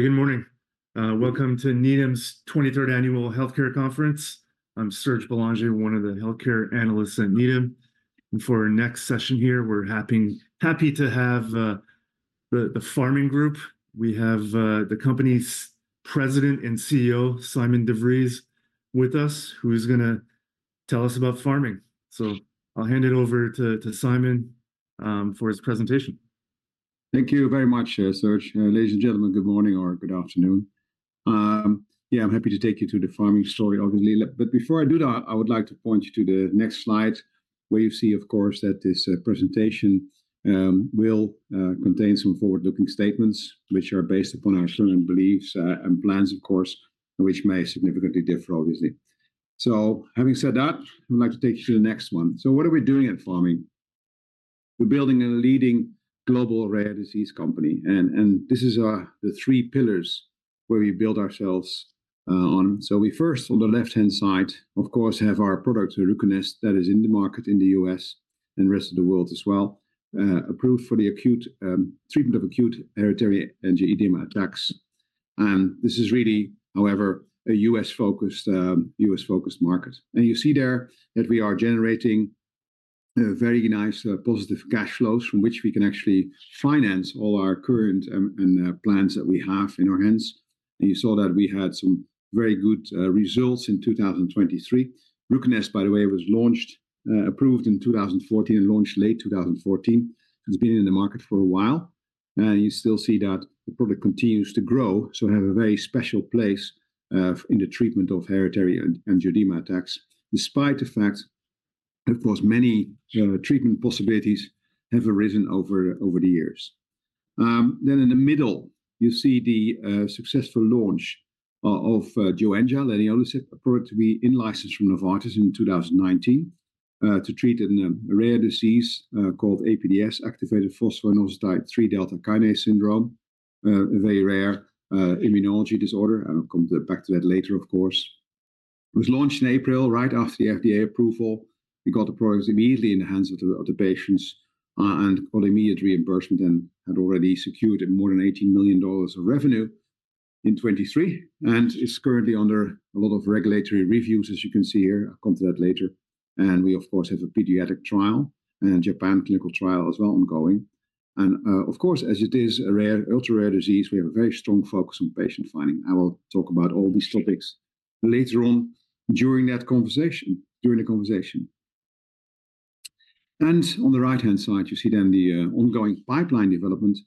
Good morning. Welcome to Needham's 23rd annual healthcare conference. I'm Serge Belanger, one of the healthcare analysts at Needham. And for our next session here, we're happy to have the Pharming Group. We have the company's President and CEO, Sijmen de Vries, with us, who is gonna tell us about Pharming. So I'll hand it over to Sijmen for his presentation. Thank you very much, Serge. Ladies and gentlemen, good morning, or good afternoon. Yeah, I'm happy to take you through the Pharming story, obviously. But before I do that, I would like to point you to the next slide, where you see, of course, that this presentation will contain some forward-looking statements which are based upon our current beliefs, and plans, of course, which may significantly differ, obviously. So, having said that, I'd like to take you to the next one. So what are we doing at Pharming? We're building a leading global rare disease company. And this is the three pillars where we build ourselves on. So we first, on the left-hand side, of course, have our product, RUCONEST, that is in the market in the U.S. and the rest of the world as well, approved for the acute treatment of acute hereditary angioedema attacks. This is really, however, a U.S. focused, U.S. focused market. And you see there that we are generating very nice, positive cash flows from which we can actually finance all our current and plans that we have in our hands. And you saw that we had some very good results in 2023. RUCONEST, by the way, was approved in 2014 and launched late 2014. It's been in the market for a while. And you still see that the product continues to grow. So it has a very special place in the treatment of hereditary angioedema attacks, despite the fact, of course, many treatment possibilities have arisen over the years. Then in the middle, you see the successful launch of Joenja, a product that we in-licensed from Novartis in 2019, to treat a rare disease called APDS, activated phosphoinositide 3-kinase delta syndrome. A very rare immunology disorder. I'll come back to that later, of course. It was launched in April, right after the FDA approval. We got the products immediately in the hands of the patients, and got immediate reimbursement and had already secured more than $18 million of revenue in 2023, and is currently under a lot of regulatory reviews, as you can see here. I'll come to that later. And we, of course, have a pediatric trial and a Japan clinical trial as well ongoing. And, of course, as it is a rare, ultra-rare disease, we have a very strong focus on patient finding. I will talk about all these topics later on during that conversation, during the conversation. And on the right-hand side, you see then the ongoing pipeline development.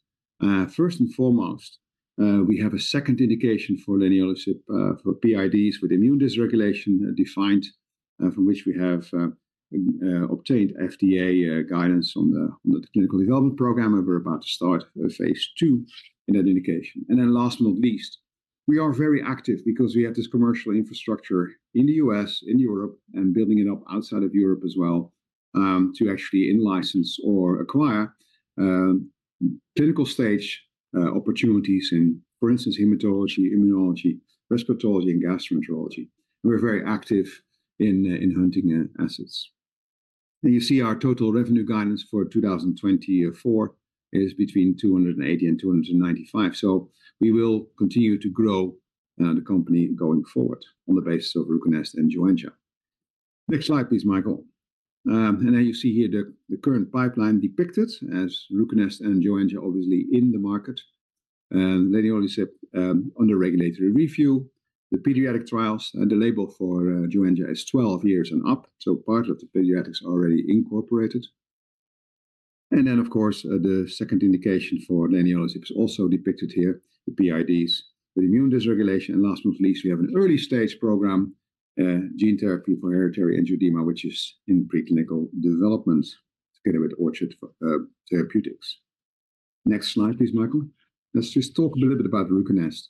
First and foremost, we have a second indication for leniolisib, for PIDs with immune dysregulation defined, from which we have obtained FDA guidance on the clinical development program. We're about to start phase II in that indication. Then, last but not least, we are very active because we have this commercial infrastructure in the U.S., in Europe, and building it up outside of Europe as well, to actually in-license or acquire clinical-stage opportunities in, for instance, hematology, immunology, respiratory, and gastroenterology. We're very active in hunting assets. You see our total revenue guidance for 2024 is between 280 million and 295 million. We will continue to grow the company going forward on the basis of RUCONEST and Joenja. Next slide, please, Michael. And then you see here the current pipeline depicted as RUCONEST and Joenja, obviously in the market. And later on, they said, under regulatory review, the pediatric trials, and the label for Joenja is 12 years and up. So part of the pediatrics are already incorporated. And then, of course, the second indication for leniolisib is also depicted here, the PIDs with immune dysregulation. And last but not least, we have an early stage program, gene therapy for hereditary angioedema, which is in preclinical development together with Orchard Therapeutics. Next slide, please, Michael. Let's just talk a little bit about RUCONEST.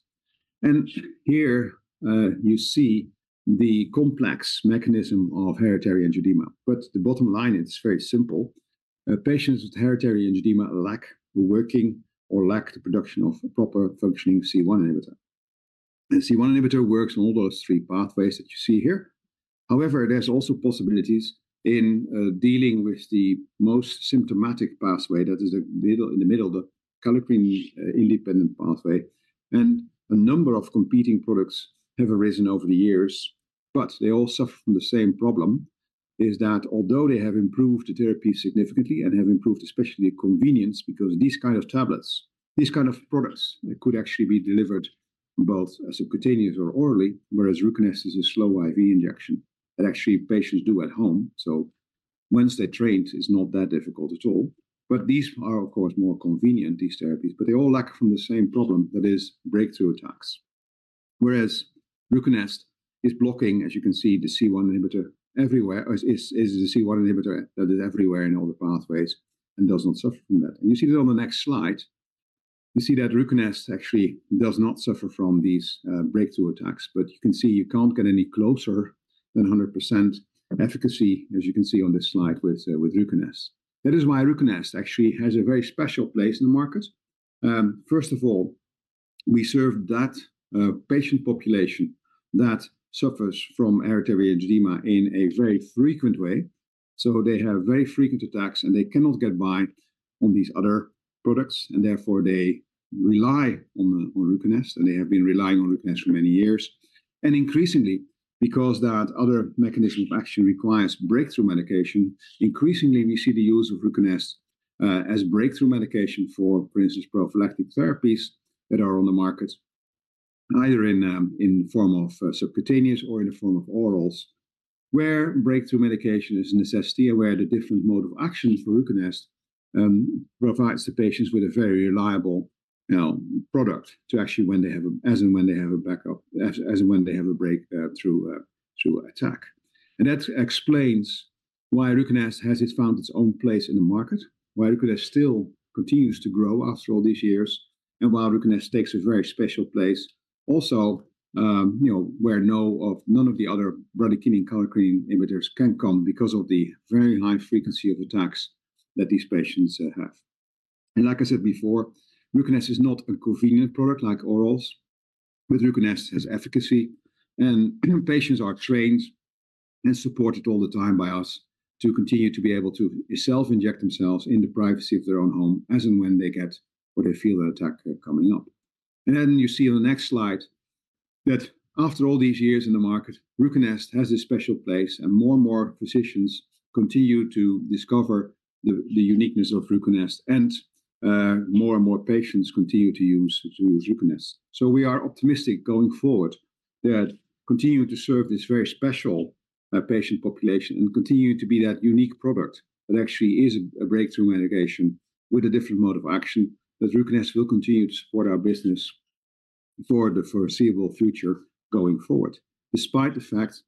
And here, you see the complex mechanism of hereditary angioedema. But the bottom line, it's very simple. Patients with hereditary angioedema lack the working or lack the production of a proper functioning C1 inhibitor. And C1 inhibitor works on all those three pathways that you see here. However, there's also possibilities in dealing with the most symptomatic pathway. That is the mediator in the middle, the kallikrein independent pathway. A number of competing products have arisen over the years. But they all suffer from the same problem. Is that, although they have improved the therapy significantly and have improved especially convenience because these kind of tablets, these kind of products, they could actually be delivered both subcutaneous or orally, whereas RUCONEST is a slow IV injection that actually patients do at home. So once they're trained, it's not that difficult at all. But these are, of course, more convenient, these therapies, but they all lack from the same problem. That is breakthrough attacks. Whereas RUCONEST is blocking, as you can see, the C1 inhibitor everywhere, or is the C1 inhibitor that is everywhere in all the pathways and does not suffer from that. And you see that on the next slide. You see that RUCONEST actually does not suffer from these breakthrough attacks. But you can see you can't get any closer than 100% efficacy, as you can see on this slide with RUCONEST. That is why RUCONEST actually has a very special place in the market, first of all. We serve that patient population that suffers from hereditary angioedema in a very frequent way. So they have very frequent attacks, and they cannot get by on these other products, and therefore they rely on RUCONEST, and they have been relying on RUCONEST for many years. And increasingly, because that other mechanism of action requires breakthrough medication, increasingly, we see the use of RUCONEST as breakthrough medication for, for instance, prophylactic therapies that are on the market. Either in the form of subcutaneous or in the form of orals. Where breakthrough medication is a necessity and where the different mode of action for RUCONEST provides the patients with a very reliable, you know, product to actually when they have a, as in when they have a breakthrough attack. And that explains why RUCONEST has found its own place in the market, why RUCONEST still continues to grow after all these years, and why RUCONEST takes a very special place. Also, you know, where none of the other bradykinin and kallikrein inhibitors can come because of the very high frequency of attacks that these patients have. And like I said before, RUCONEST is not a convenient product like orals. But RUCONEST has efficacy, and patients are trained. Supported all the time by us to continue to be able to self-inject themselves in the privacy of their own home, as in when they get what they feel that attack coming up. And then you see on the next slide that after all these years in the market, RUCONEST has a special place, and more and more physicians continue to discover the uniqueness of RUCONEST, and more and more patients continue to use RUCONEST. So we are optimistic going forward that continuing to serve this very special patient population and continuing to be that unique product that actually is a breakthrough medication with a different mode of action that RUCONEST will continue to support our business. For the foreseeable future going forward, despite the fact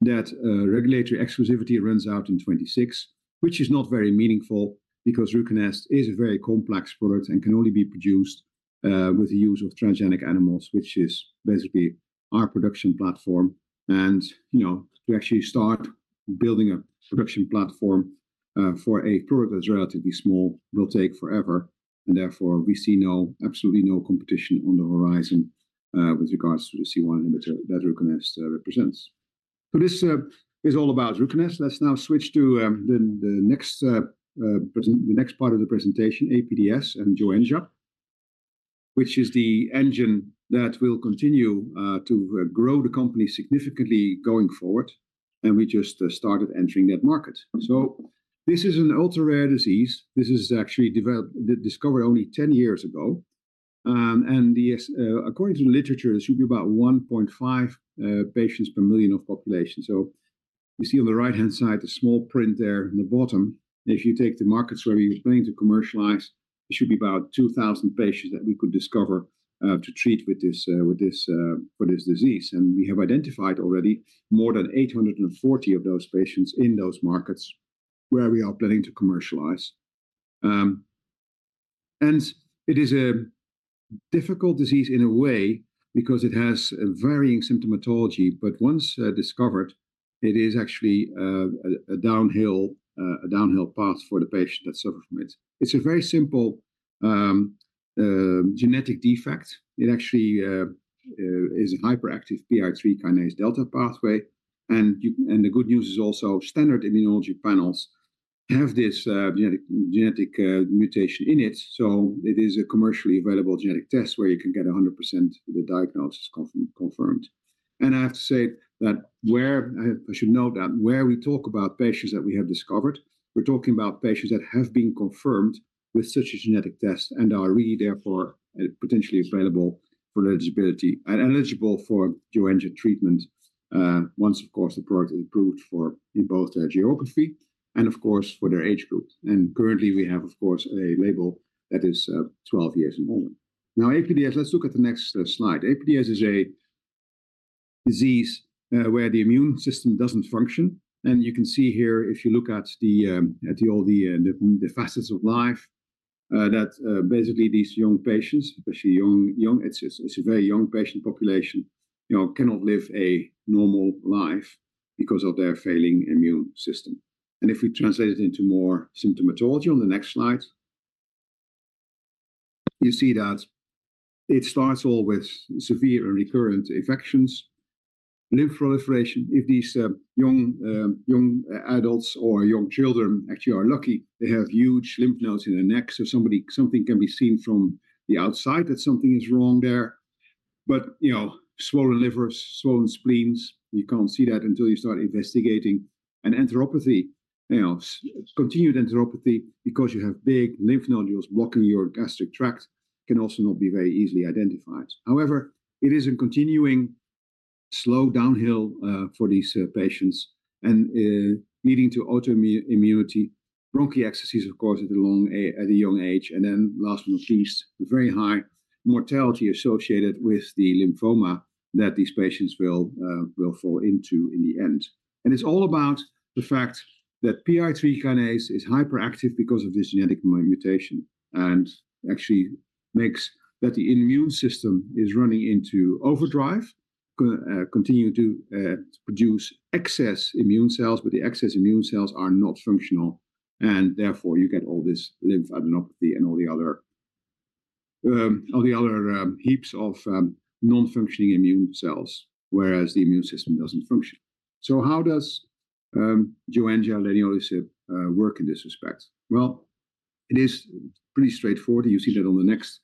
that regulatory exclusivity runs out in 2026, which is not very meaningful, because RUCONEST is a very complex product and can only be produced with the use of transgenic animals, which is basically our production platform. And you know, to actually start building a production platform for a product that's relatively small will take forever. And therefore we see no, absolutely no competition on the horizon with regards to the C1 inhibitor that RUCONEST represents. So this is all about RUCONEST. Let's now switch to the next part of the presentation, APDS and Joenja. Which is the engine that will continue to grow the company significantly going forward. And we just started entering that market. So this is an ultra-rare disease. This is actually developed, discovered only 10 years ago. And according to the literature, this should be about 1.5 patients per million of population. So you see on the right-hand side, the small print there in the bottom. If you take the markets where we were planning to commercialize, it should be about 2,000 patients that we could discover to treat with this for this disease. And we have identified already more than 840 of those patients in those markets where we are planning to commercialize. And it is a difficult disease in a way, because it has a varying symptomatology. But once discovered, it is actually a downhill path for the patient that suffers from it. It's a very simple genetic defect. It actually is a hyperactive PI3 kinase delta pathway. And the good news is also standard immunology panels have this genetic mutation in it. So it is a commercially available genetic test where you can get 100% the diagnosis confirmed. And I have to say that I should note that where we talk about patients that we have discovered, we're talking about patients that have been confirmed with such a genetic test and are really, therefore, potentially available for eligibility and eligible for Joenja treatment. Once, of course, the product is approved for in both their geography and, of course, for their age group. And currently we have, of course, a label that is 12 years and older. Now, APDS, let's look at the next slide. APDS is a disease where the immune system doesn't function. And you can see here, if you look at all the facets of life. That basically these young patients, especially young, it's a very young patient population, you know, cannot live a normal life because of their failing immune system. If we translate it into more symptomatology on the next slide, you see that. It starts all with severe and recurrent infections, lymphoproliferation. If these young adults or young children actually are lucky, they have huge lymph nodes in their necks. So something can be seen from the outside that something is wrong there. But you know, swollen livers, swollen spleens, you can't see that until you start investigating and enteropathy, you know, continued enteropathy because you have big lymph nodules blocking your gastric tract can also not be very easily identified. However, it isn't continuing slow downhill for these patients and leading to autoimmunity, bronchiectasis, of course, at a young age. And then, last but not least, very high mortality associated with the lymphoma that these patients will fall into in the end. And it's all about the fact that PI3 kinase is hyperactive because of this genetic mutation. And actually makes that the immune system is running into overdrive, continue to produce excess immune cells, but the excess immune cells are not functional. And therefore you get all this lymphadenopathy and all the other heaps of non-functioning immune cells, whereas the immune system doesn't function. So how does Joenja, leniolisib, work in this respect? Well, it is pretty straightforward. You see that on the next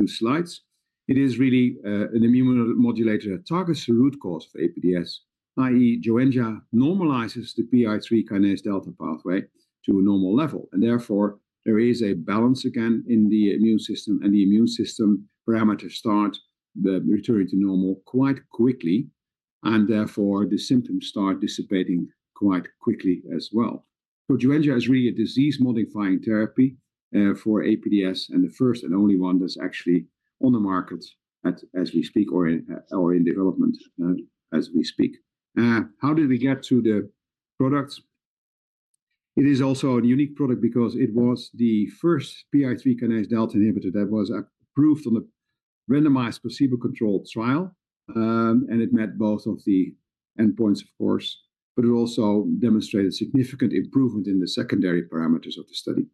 two slides. It is really an immune modulator that targets the root cause of APDS, i.e., Joenja normalizes the PI3 kinase delta pathway to a normal level. Therefore there is a balance again in the immune system and the immune system parameters start to return to normal quite quickly. Therefore the symptoms start dissipating quite quickly as well. So Joenja is really a disease modifying therapy for APDS, and the first and only one that's actually on the market at, as we speak, or in, or in development, as we speak. How did we get to the product? It is also a unique product because it was the first PI3 kinase delta inhibitor that was approved on the randomized placebo-controlled trial. And it met both of the endpoints, of course. But it also demonstrated significant improvement in the secondary parameters of the study.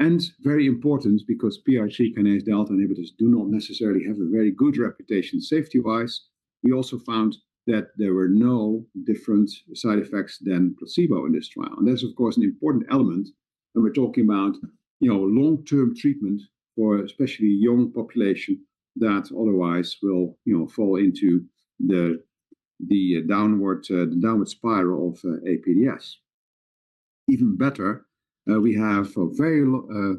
And very important because PI3 kinase delta inhibitors do not necessarily have a very good reputation safety-wise. We also found that there were no different side effects than placebo in this trial. That's, of course, an important element. When we're talking about, you know, long-term treatment for especially young population that otherwise will, you know, fall into the downward spiral of APDS. Even better, we have a very,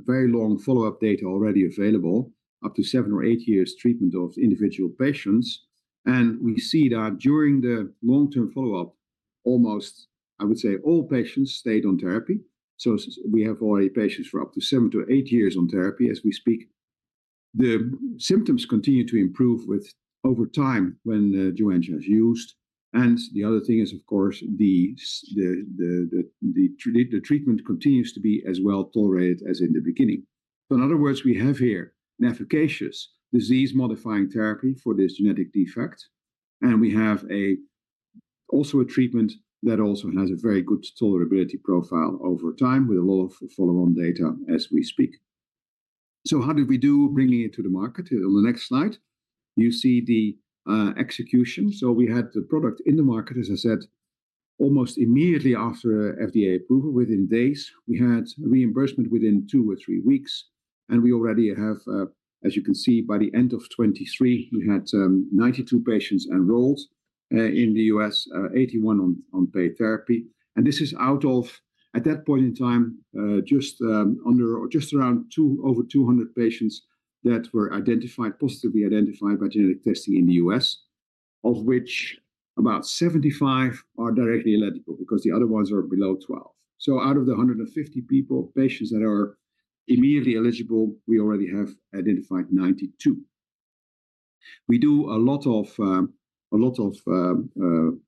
very long follow-up data already available, up to seven or eight years treatment of individual patients. And we see that during the long-term follow-up. Almost, I would say, all patients stayed on therapy. So we have already patients for up to seven to eight years on therapy as we speak. The symptoms continue to improve with over time when Joenja is used. And the other thing is, of course, the treatment continues to be as well tolerated as in the beginning. So in other words, we have here an efficacious disease modifying therapy for this genetic defect. And we have also a treatment that also has a very good tolerability profile over time with a lot of follow-on data as we speak. So how did we do bringing it to the market? On the next slide, you see the execution. So we had the product in the market, as I said. Almost immediately after FDA approval, within days we had reimbursement within 2 or 3 weeks. And we already have, as you can see, by the end of 2023, we had 92 patients enrolled in the U.S. 81 on paid therapy. And this is out of, at that point in time, just under or just around 200 patients that were identified, positively identified by genetic testing in the US. Of which about 75 are directly eligible because the other ones are below 12. So out of the 150 people, patients that are immediately eligible, we already have identified 92. We do a lot of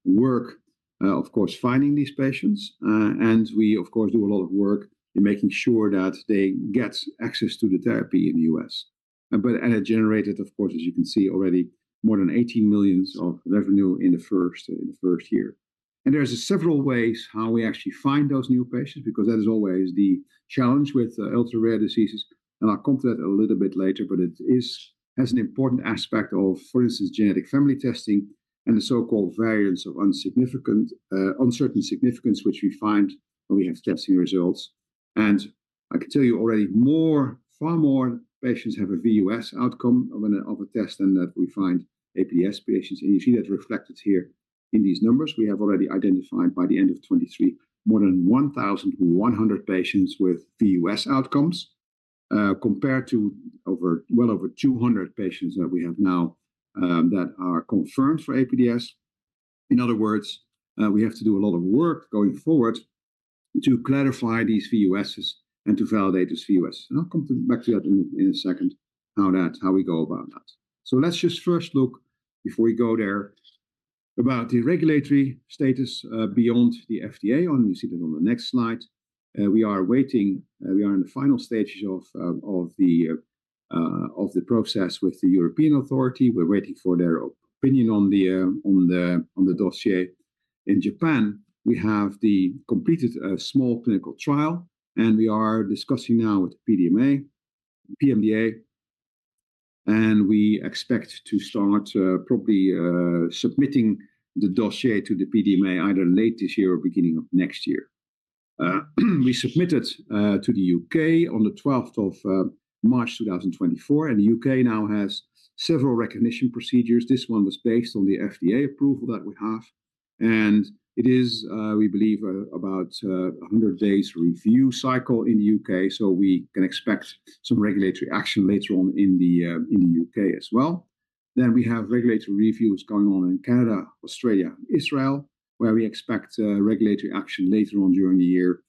work, of course, finding these patients, and we, of course, do a lot of work in making sure that they get access to the therapy in the U.S. And it generated, of course, as you can see already, more than $18 million of revenue in the first year. And there's several ways how we actually find those new patients, because that is always the challenge with ultra-rare diseases. And I'll come to that a little bit later, but it is, has an important aspect of, for instance, genetic family testing. And the so-called variants of uncertain significance, which we find when we have testing results. I can tell you already more, far more patients have a VUS outcome of a test than that we find APDS patients. You see that reflected here in these numbers. We have already identified by the end of 2023, more than 1,100 patients with VUS outcomes compared to over, well over 200 patients that we have now that are confirmed for APDS. In other words, we have to do a lot of work going forward to clarify these VUSs and to validate this VUS. I'll come back to that in a second, how that, how we go about that. So let's just first look, before we go there, about the regulatory status beyond the FDA, as you see that on the next slide. We are waiting. We are in the final stages of the process with the European Authority. We're waiting for their opinion on the dossier. In Japan, we have completed a small clinical trial. And we are discussing now with the PMDA. And we expect to start, probably, submitting the dossier to the PMDA either late this year or beginning of next year. We submitted to the U.K. on the 12th of March 2024, and the U.K., now has several recognition procedures. This one was based on the FDA approval that we have. And it is, we believe, about a 100-day review cycle in the U.K., so we can expect some regulatory action later on in the U.K. as well. Then we have regulatory reviews going on in Canada, Australia, Israel, where we expect regulatory action later on during the year.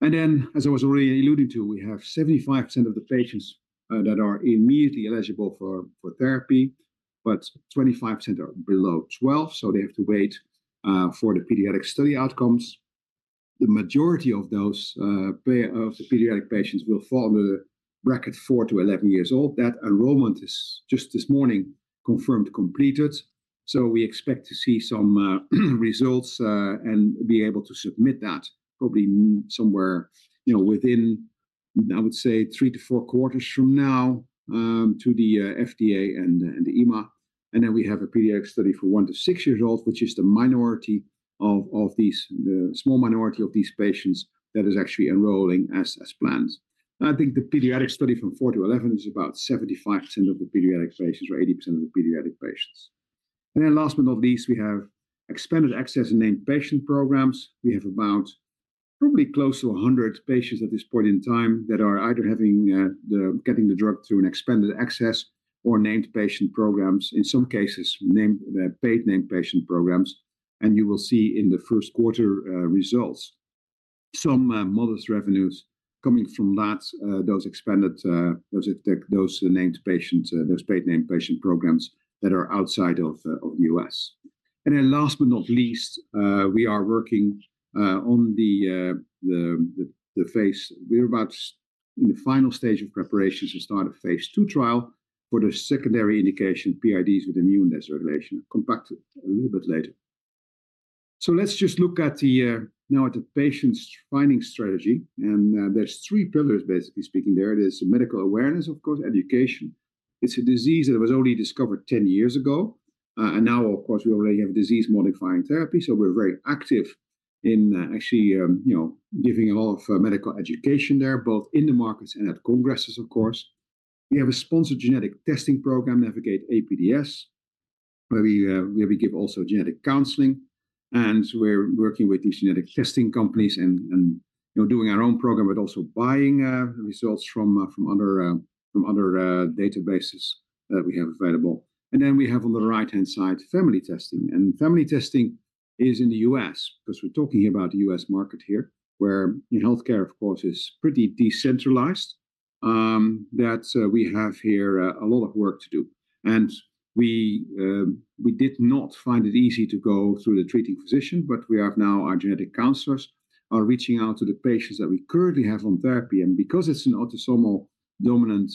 And then, as I was already alluding to, we have 75% of the patients that are immediately eligible for therapy. But 25% are below 12, so they have to wait for the pediatric study outcomes. The majority of those pediatric patients will fall under the bracket four to 11 years old. That enrollment is just this morning confirmed completed. So we expect to see some results, and be able to submit that probably somewhere, you know, within. I would say three, four quarters from now, to the FDA and the EMA. And then we have a pediatric study for one to six years old, which is the minority of these, the small minority of these patients that is actually enrolling as planned. I think the pediatric study from four to 11 is about 75% of the pediatric patients or 80% of the pediatric patients. And then, last but not least, we have expanded access and named patient programs. We have about probably close to 100 patients at this point in time that are either having or getting the drug through an expanded access or named patient programs, in some cases paid named patient programs. And you will see in the first quarter results some modest revenues coming from that, those expanded, those named patients, those paid named patient programs that are outside of the U.S. And then, last but not least, we are working on the phase. We're about in the final stage of preparations to start a phase II trial for the secondary indication PIDs with immune dysregulation. I'll come back to it a little bit later. So let's just look at now the patient finding strategy. And there's 3 pillars, basically speaking. There, it is medical awareness, of course, education. It's a disease that was only discovered 10 years ago. And now, of course, we already have disease modifying therapy. So we're very active in actually, you know, giving a lot of medical education there, both in the markets and at congresses. Of course. We have a sponsored genetic testing program, Navigate APDS. Where we give also genetic counseling. And we're working with these genetic testing companies and you know doing our own program, but also buying results from other databases that we have available. And then we have on the right-hand side family testing. Family testing is in the U.S., because we're talking here about the U.S. market here, where in healthcare, of course, is pretty decentralized. That we have here a lot of work to do. We did not find it easy to go through the treating physician, but we have now our genetic counselors are reaching out to the patients that we currently have on therapy. Because it's an autosomal dominant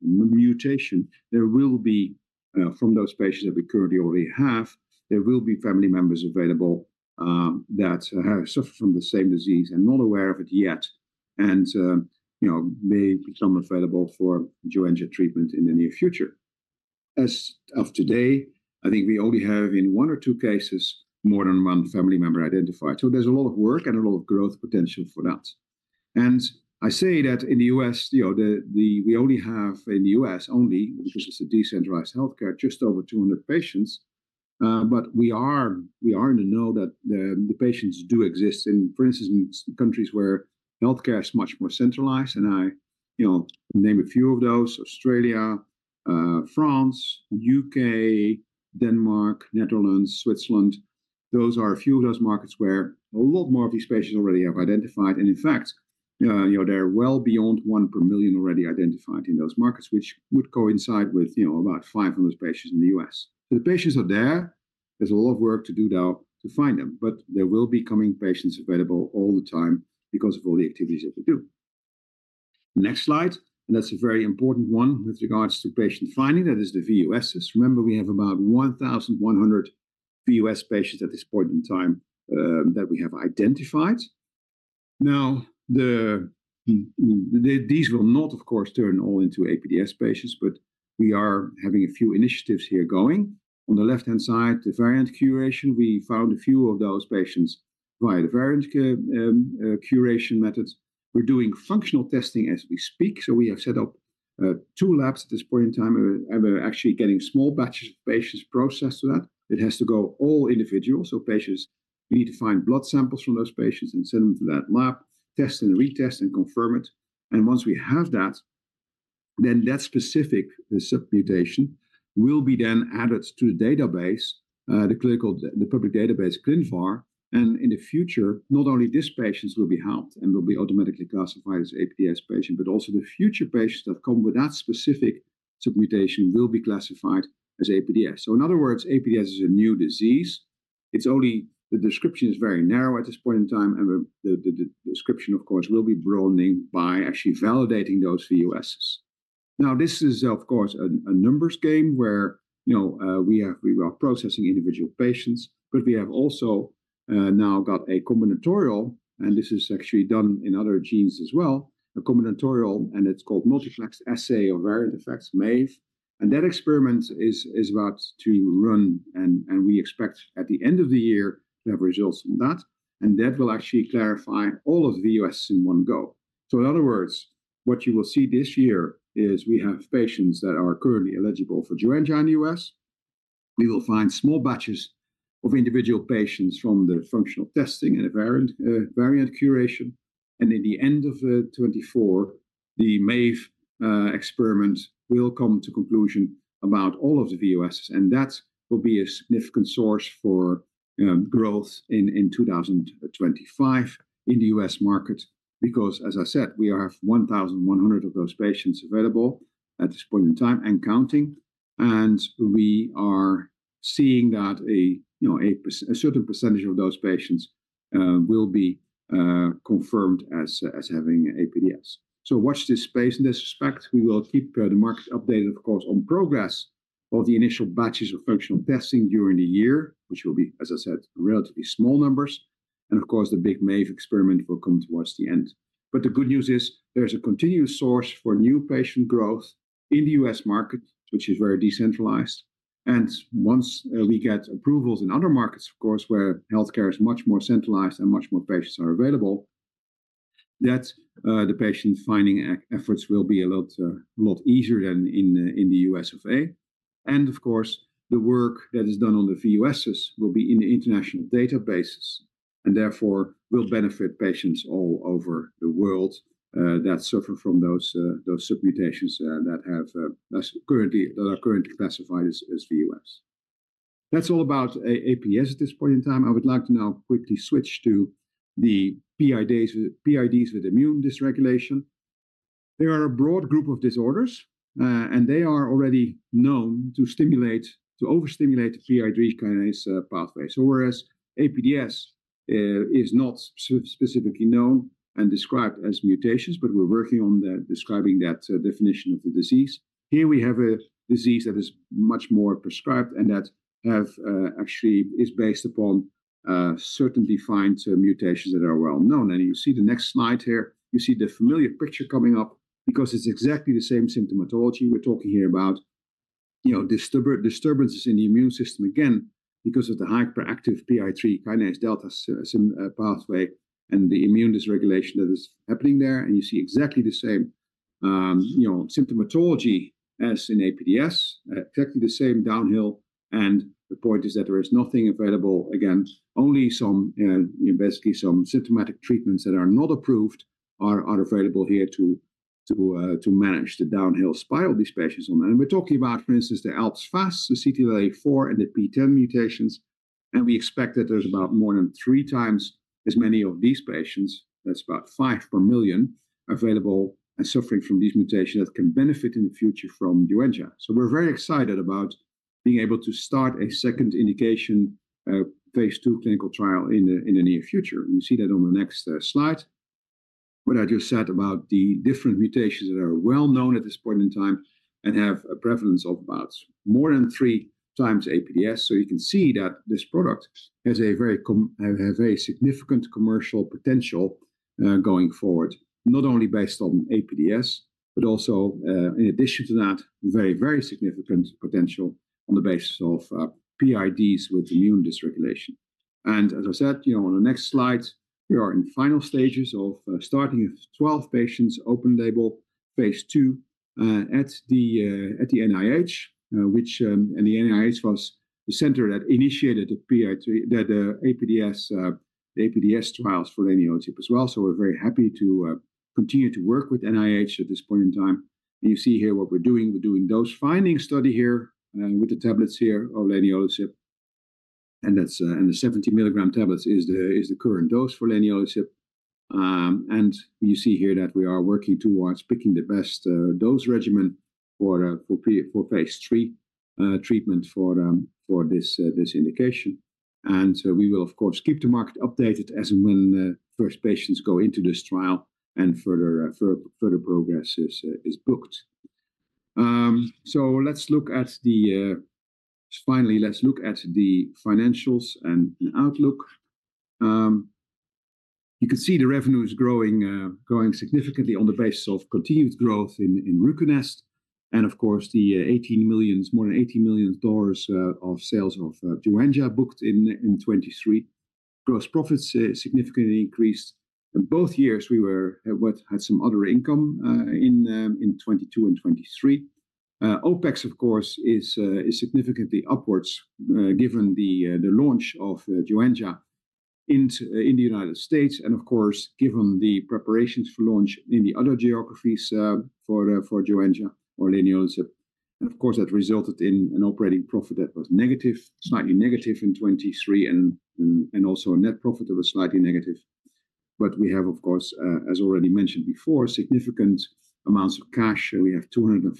mutation, there will be, from those patients that we currently already have, there will be family members available, that have suffered from the same disease and not aware of it yet. You know, may become available for Joenja treatment in the near future. As of today, I think we only have in one or two cases more than one family member identified. There's a lot of work and a lot of growth potential for that. I say that in the U.S., you know, we only have in the U.S. only, because it's a decentralized healthcare, just over 200 patients. We are in the know that the patients do exist in, for instance, in countries where healthcare is much more centralized. I, you know, name a few of those: Australia, France, UK, Denmark, Netherlands, Switzerland. Those are a few of those markets where a lot more of these patients already have identified. And in fact, you know, they're well beyond one per million already identified in those markets, which would coincide with, you know, about 500 patients in the U.S. So the patients are there. There's a lot of work to do now to find them, but there will be coming patients available all the time because of all the activities that we do. Next slide. That's a very important one with regards to patient finding. That is the VUSs. Remember, we have about 1,100 VUS patients at this point in time, that we have identified. Now, these will not, of course, turn all into APDS patients, but we are having a few initiatives here going on the left-hand side, the variant curation. We found a few of those patients via the variant curation methods. We're doing functional testing as we speak. So we have set up two labs at this point in time. We're actually getting small batches of patients processed to that. It has to go all individual. So patients, we need to find blood samples from those patients and send them to that lab, test and retest, and confirm it. And once we have that. Then that specific submutation will be then added to the database, the clinical, the public database, ClinVar. In the future, not only these patients will be helped and will be automatically classified as APDS patients, but also the future patients that come with that specific submutation will be classified as APDS. In other words, APDS is a new disease. It's only the description is very narrow at this point in time, and the description, of course, will be broadening by actually validating those VUSs. Now, this is, of course, a numbers game where, you know, we have, we are processing individual patients, but we have also, now got a combinatorial, and this is actually done in other genes as well, a combinatorial, and it's called multiplex assay of variant effects, MAVE. That experiment is about to run, and we expect at the end of the year to have results from that. That will actually clarify all of the VUSs in one go. So in other words, what you will see this year is we have patients that are currently eligible for Joenja in the U.S. We will find small batches of individual patients from the functional testing and a variant curation. And in the end of 2024, the MAVE experiment will come to conclusion about all of the VUSs, and that will be a significant source for growth in 2025 in the U.S. market. Because, as I said, we have 1,100 of those patients available at this point in time and counting. And we are seeing that, you know, a certain percentage of those patients will be confirmed as having APDS. So watch this space in this respect. We will keep the market updated, of course, on progress of the initial batches of functional testing during the year, which will be, as I said, relatively small numbers. And of course, the big MAVE experiment will come towards the end. But the good news is there's a continuous source for new patient growth in the US market, which is very decentralized. And once we get approvals in other markets, of course, where healthcare is much more centralized and much more patients are available, that the patient finding efforts will be a lot, a lot easier than in the U.S. of A. And of course, the work that is done on the VUSs will be in the international databases. And therefore will benefit patients all over the world that suffer from those submutations that are currently classified as VUS. That's all about APDS at this point in time. I would like to now quickly switch to the PIDs with immune dysregulation. There are a broad group of disorders, and they are already known to overstimulate the PI3 kinase pathway. So whereas APDS is not specifically known and described as mutations, but we're working on that, describing that definition of the disease. Here we have a disease that is much more described and that actually is based upon certain defined mutations that are well known. And you see the next slide here. You see the familiar picture coming up because it's exactly the same symptomatology we're talking here about. You know, disturbances in the immune system again because of the hyperactive PI3 kinase delta pathway and the immune dysregulation that is happening there. And you see exactly the same, you know, symptomatology as in APDS, exactly the same downhill. And the point is that there is nothing available again, only some, you know, basically some symptomatic treatments that are not approved are available here to manage the downhill spiral these patients on. And we're talking about, for instance, the ALPS FAS, the CTLA4, and the PTEN mutations. And we expect that there's about more than three times as many of these patients. That's about five per million available and suffering from these mutations that can benefit in the future from Joenja. So we're very excited about being able to start a second indication, phase II clinical trial in the near future. You see that on the next slide. What I just said about the different mutations that are well known at this point in time and have a prevalence of about more than 3 times APDS. So you can see that this product has a very significant commercial potential, going forward, not only based on APDS, but also, in addition to that, very, very significant potential on the basis of, PIDs with immune dysregulation. And as I said, you know, on the next slide, we are in final stages of starting 12 patients open label phase II, at the NIH, which, and the NIH was the center that initiated the PI3, that the APDS, the APDS trials for leniolisib as well. So we're very happy to, continue to work with NIH at this point in time. And you see here what we're doing. We're doing the dose-finding study here, with the tablets here of leniolisib. And that's, and the 70 milligram tablets is the current dose for leniolisib. And you see here that we are working towards picking the best dose regimen for phase III treatment for this indication. So we will, of course, keep the market updated as and when first patients go into this trial and further progress is booked. So finally, let's look at the financials and an outlook. You can see the revenue is growing significantly on the basis of continued growth in RUCONEST. And of course, more than $18 million of sales of Joenja booked in 2023. Gross profits significantly increased. In both years, we had some other income in 2022 and 2023. OpEx, of course, is significantly upwards, given the launch of Joenja in the United States. And of course, given the preparations for launch in the other geographies, for Joenja or leniolisib. And of course, that resulted in an operating profit that was negative, slightly negative in 2023, and also a net profit that was slightly negative. But we have, of course, as already mentioned before, significant amounts of cash. We have $215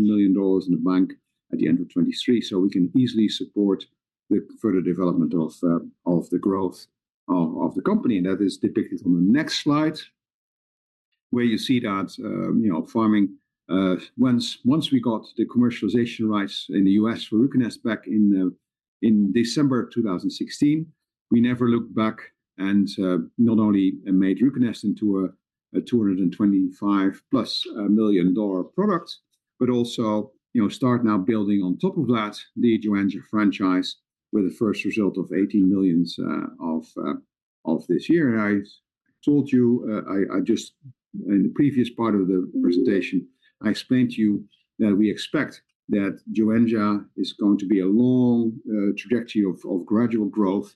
million in the bank at the end of 2023. So we can easily support the further development of the growth of the company. And that is depicted on the next slide. Where you see that, you know, Pharming, once we got the commercialization rights in the US for RUCONEST back in December 2016. We never looked back and, not only made RUCONEST into a $225+ million product, but also, you know, started now building on top of that the Joenja franchise with the 1st result of $18 million, of, of this year. And I told you, I, I just in the previous part of the presentation, I explained to you that we expect that Joenja is going to be a long, trajectory of of gradual growth.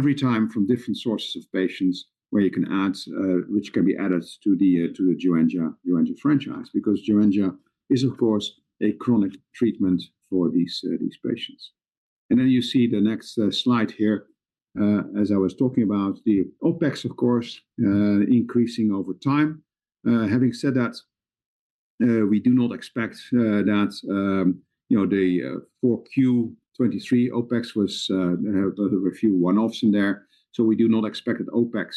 Every time from different sources of patients where you can add, which can be added to the, to the Joenja Joenja franchise, because Joenja is, of course, a chronic treatment for these, these patients. And then you see the next slide here. As I was talking about the OpEx, of course, increasing over time. Having said that, we do not expect, that, you know, the 4Q 2023 OpEx was, have a few one-offs in there. So we do not expect that OpEx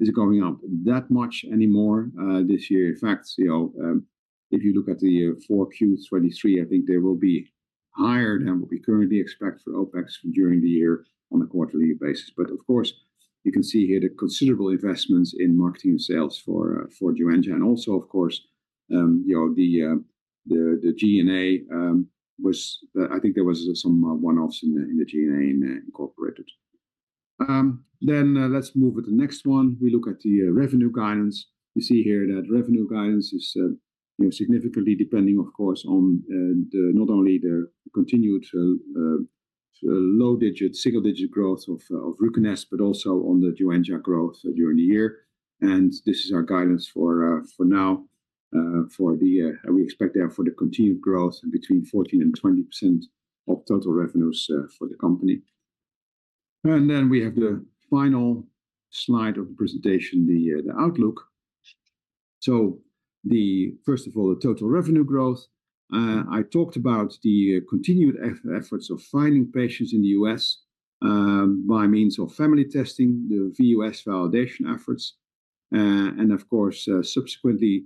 is going up that much anymore, this year. In fact, you know, if you look at the 4Q 2023, I think there will be higher than what we currently expect for OpEx during the year on a quarterly basis. But of course, you can see here the considerable investments in marketing and sales for Joenja. And also, of course, you know, the G&A was, I think, some one-offs in the G&A incorporated. Then, let's move to the next one. We look at the revenue guidance. You see here that the revenue guidance is, you know, significantly depending, of course, on not only the continued low single-digit growth of RUCONEST, but also on the Joenja growth during the year. And this is our guidance for now. We expect there for the continued growth and between 14% and 20% of total revenues for the company. hen we have the final slide of the presentation, the outlook. So, first of all, the total revenue growth. I talked about the continued efforts of finding patients in the U.S., by means of family testing, the VUS validation efforts. And of course, subsequently, you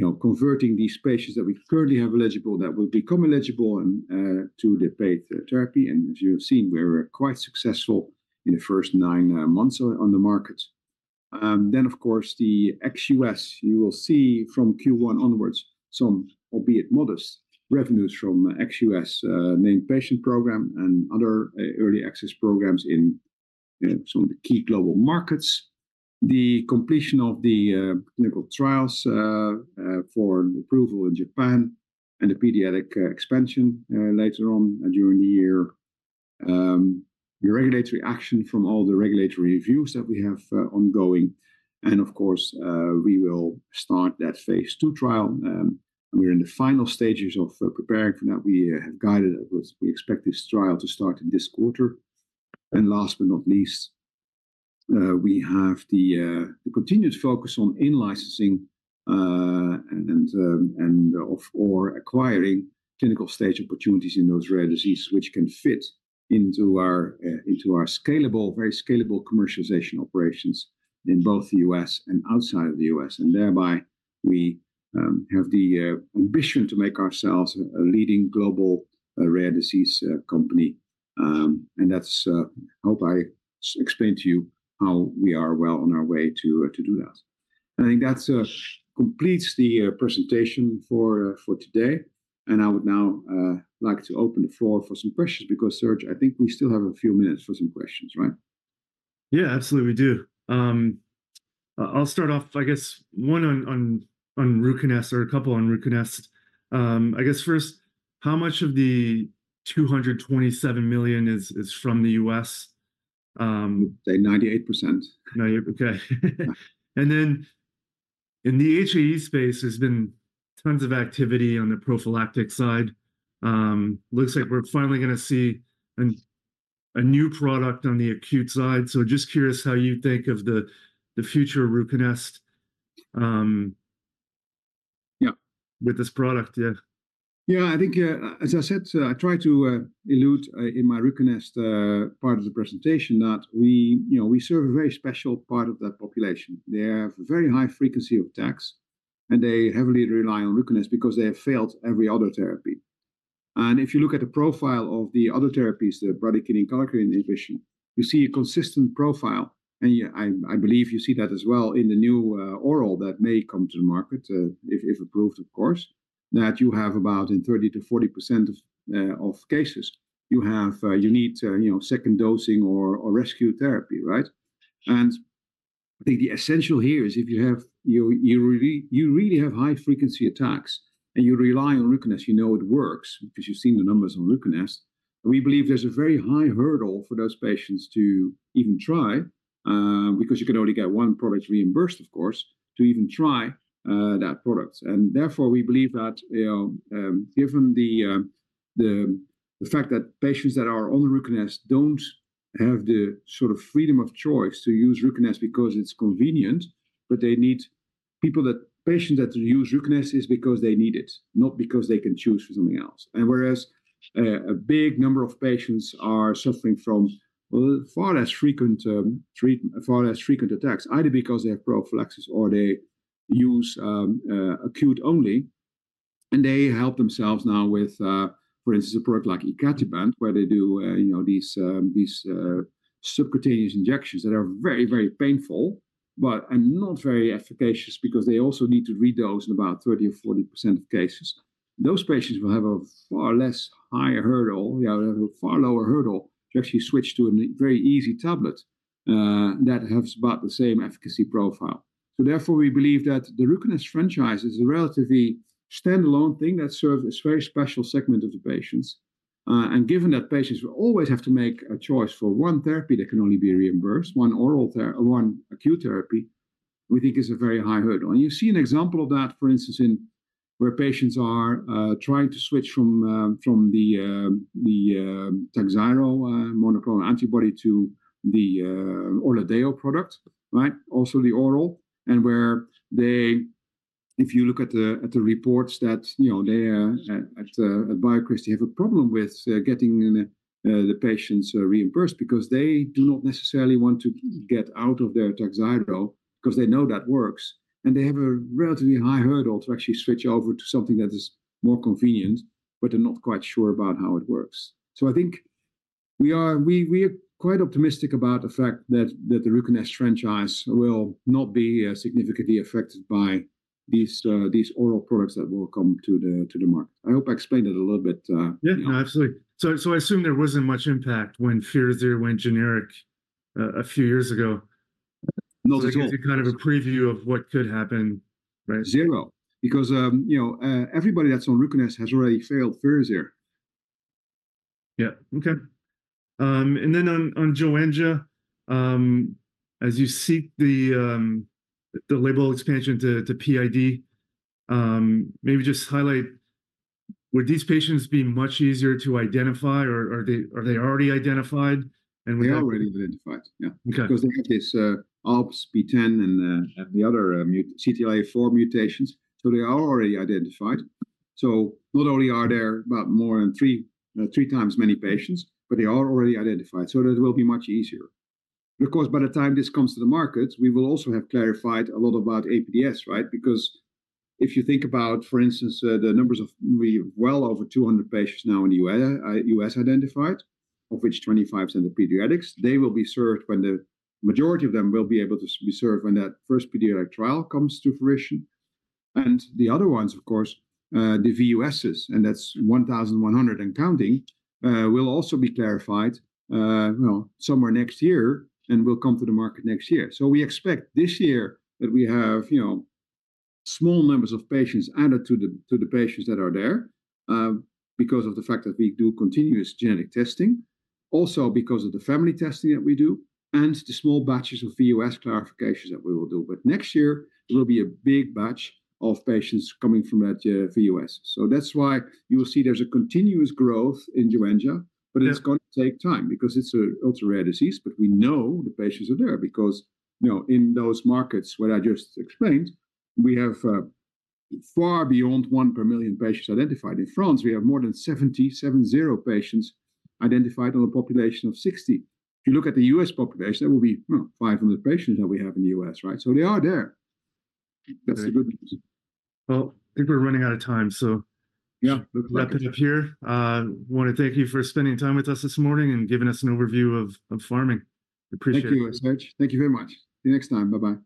know, converting these patients that we currently have eligible that will become eligible and to the paid therapy. And as you have seen, we're quite successful in the first 9 months on the market. Then, of course, the ex-US. You will see from Q1 onwards some, albeit modest, revenues from ex-US named patient program and other early access programs in, you know, some of the key global markets. The completion of the clinical trials for approval in Japan and the pediatric expansion later on during the year. The regulatory action from all the regulatory reviews that we have ongoing. And of course, we will start that phase II trial. And we're in the final stages of preparing for that. We have guided that we expect this trial to start in this quarter. And last but not least, we have the continued focus on in-licensing, or acquiring clinical stage opportunities in those rare diseases which can fit into our, into our scalable, very scalable commercialization operations in both the U.S. and outside of the U.S. And thereby we have the ambition to make ourselves a leading global rare disease company. And that's. I hope I explained to you how we are well on our way to do that. I think that's completes the presentation for today. I would now like to open the floor for some questions, because, Serge, I think we still have a few minutes for some questions, right? Yeah, absolutely, we do. I'll start off, I guess, one on RUCONEST, or a couple on RUCONEST. I guess, first, how much of the $227 million is from the US? Say 98%. 98%. Okay. And then in the HAE space, there's been tons of activity on the prophylactic side. Looks like we're finally gonna see a new product on the acute side. So just curious how you think of the future RUCONEST. Yeah. With this product. Yeah. Yeah, I think, as I said, I tried to allude in my RUCONEST part of the presentation that we, you know, we serve a very special part of that population. They have a very high frequency of attacks. They heavily rely on RUCONEST because they have failed every other therapy. If you look at the profile of the other therapies, the bradykinin kallikrein inhibition, you see a consistent profile. You, I believe you see that as well in the new oral that may come to the market, if approved, of course, that you have about in 30%-40% of cases, you have, you need, you know, second dosing or rescue therapy, right? I think the essential here is, if you have, you really, you really have high frequency attacks. You rely on RUCONEST. You know it works because you've seen the numbers on RUCONEST. We believe there's a very high hurdle for those patients to even try, because you can only get one product reimbursed, of course, to even try, that product. Therefore we believe that, you know, given the fact that patients that are on the RUCONEST don't have the sort of freedom of choice to use RUCONEST because it's convenient, but they need people that patients that use RUCONEST is because they need it, not because they can choose for something else. Whereas, a big number of patients are suffering from, well, far less frequent treatment, far less frequent attacks, either because they have prophylaxis or they use acute only. And they help themselves now with, for instance, a product like icatibant, where they do, you know, these subcutaneous injections that are very, very painful, but and not very efficacious, because they also need to redose in about 30% or 40% of cases. Those patients will have a far higher hurdle. Yeah, they have a far lower hurdle to actually switch to a very easy tablet, that has about the same efficacy profile. So therefore we believe that the RUCONEST franchise is a relatively standalone thing that serves a very special segment of the patients. And given that patients will always have to make a choice for one therapy that can only be reimbursed, one oral therapy, one acute therapy, we think is a very high hurdle. And you see an example of that, for instance, in where patients are trying to switch from the Takhzyro monoclonal antibody to the Orladeyo product, right? Also the oral, and where they, if you look at the reports that, you know, they are at BioCryst, they have a problem with getting the patients reimbursed because they do not necessarily want to get out of their Takhzyro because they know that works. And they have a relatively high hurdle to actually switch over to something that is more convenient, but they're not quite sure about how it works. So I think we are quite optimistic about the fact that the RUCONEST franchise will not be significantly affected by these oral products that will come to the market. I hope I explained it a little bit. Yeah, no, absolutely. So I assume there wasn't much impact when Firazyr went generic, a few years ago. Not at all. Kind of a preview of what could happen. Right? Zero, because, you know, everybody that's on RUCONEST has already failed Firazyr. Yeah. Okay. And then on Joenja. As you seek the label expansion to PID, maybe just highlight. Would these patients be much easier to identify? Or are they already identified? And we are already identified. Yeah. Okay. Because they have this APDS and the other CTLA4 mutations. So they are already identified. So not only are there about more than 3 times many patients, but they are already identified. So that will be much easier. Of course, by the time this comes to the markets, we will also have clarified a lot about APDS, right? Because if you think about, for instance, the numbers, we have well over 200 patients now in the U.S. identified, of which 25% are pediatrics. They will be served when the majority of them will be able to be served when that 1st pediatric trial comes to fruition. And the other ones, of course, the VUSs, and that's 1,100 and counting, will also be clarified, well, somewhere next year, and will come to the market next year. So we expect this year that we have, you know, small numbers of patients added to the patients that are there because of the fact that we do continuous genetic testing. Also because of the family testing that we do, and the small batches of VUS clarifications that we will do. But next year there will be a big batch of patients coming from that VUS. So that's why you will see there's a continuous growth in Joenja. But it's going to take time because it's an ultra-rare disease. But we know the patients are there because, you know, in those markets where I just explained, we have far beyond 1 per million patients identified. In France, we have more than 70, 70 patients identified on a population of 60. If you look at the US population, there will be 500 patients that we have in the U.S., right? So they are there. That's the good news. Well, I think we're running out of time. So yeah, wrap it up here. Want to thank you for spending time with us this morning and giving us an overview of Pharming. Appreciate it. Thank you, Serge. Thank you very much. See you next time. Bye-bye.